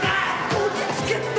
落ち着けって。